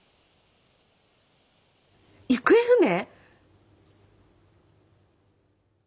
行方不明？